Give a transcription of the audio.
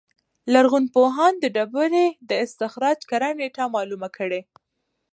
لرغونپوهان د ډبرې د استخراج کره نېټه معلومه کړي.